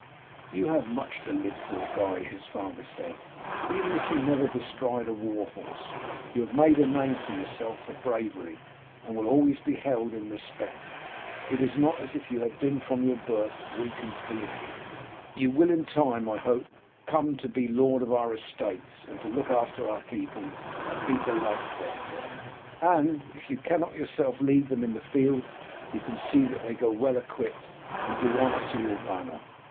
"You have much to live for, Guy," his father said, "even if you never bestride a war horse. You have made a name for yourself for bravery, and will always be held in respect. It is not as if you had been from your birth weak and feeble. You will in time, I hope, come to be lord of our estates and to look after our people, and be beloved by them; and, if you cannot yourself lead them in the field, you can see that they go well equipped, and do honour to your banner.